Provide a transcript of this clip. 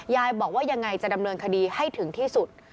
ยายบอกว่ายังไงจะดำเนินคดีให้ถึงที่สุด